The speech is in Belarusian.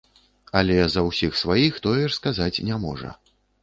Але за ўсіх сваіх тое ж сказаць не можа.